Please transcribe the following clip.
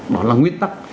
đó là nguyên tắc